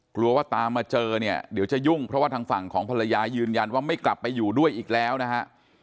กลัวว่าตามมาเจอเนี่ยเดี๋ยวจะยุ่งเพราะว่าทางฝั่งของภรรยายืนยันว่าไม่กลับไปอยู่ด้วยอีกแล้วนะฮะ